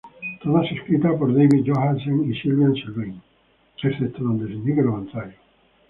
Todas escritas por David Johansen y Sylvain Sylvain, excepto donde se indique lo contrario.